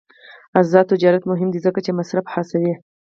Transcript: آزاد تجارت مهم دی ځکه چې مصرف هڅوي.